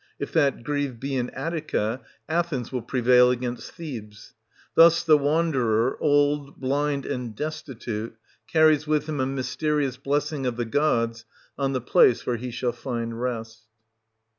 If that grave be in Attica, Athens will prevail against Thebes, Thus the wanderer, old, blind, and destitute, carries with him a mysterious blessing of the gods on the place where he shall find rest.